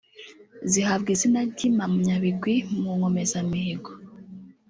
zihabwa izina ry’Impamyabigwi mu Nkomezamihigo